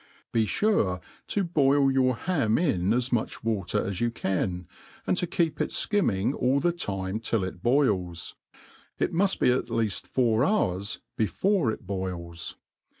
Be fure to boil your hani In as much water as you can, and to keep it ikimming all the time till it bolls. It muft be at leaft four hours before it boils.